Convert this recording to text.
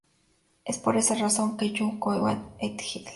Es por esta razón que John H. Conway "et al".